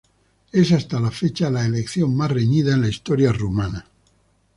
Es hasta la fecha la elección más reñida en la historia rumana.